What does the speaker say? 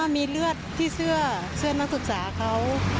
มีเลือดที่เสื้อเสื้อนักศึกษาเขา